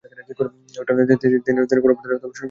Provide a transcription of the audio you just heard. তিনি কোন অপরাধের সন্দেহভাজন ছিলেন না।